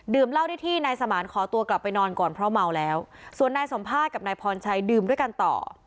เหล้าได้ที่นายสมานขอตัวกลับไปนอนก่อนเพราะเมาแล้วส่วนนายสมภาษณ์กับนายพรชัยดื่มด้วยกันต่อ